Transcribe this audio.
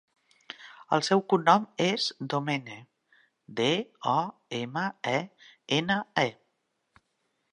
El seu cognom és Domene: de, o, ema, e, ena, e.